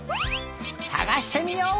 さがしてみよう！